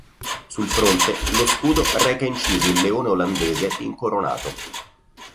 Sul fronte lo scudo reca inciso il Leone olandese incoronato.